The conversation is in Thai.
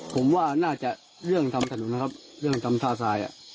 ผมว่าน่าจะเรื่องทำถนนนะครับเรื่องทำท่าทราย